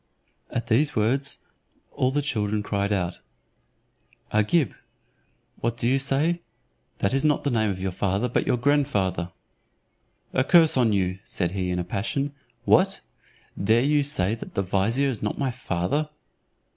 At these words all the children cried out, "Agib, what do you say? That is not the name of your father, but your grandfather." "A curse on you," said he in a passion. "What! dare you say that the vizier is not my father?"